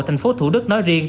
thành phố thủ đức nói riêng